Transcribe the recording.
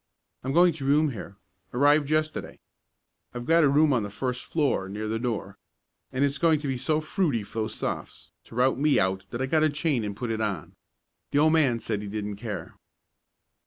I'm going to room here. Arrived yesterday. I've got a room on the first floor, near the door, and it's going to be so fruity for those Sophs. to rout me out that I got a chain and put it on. The old man said he didn't care."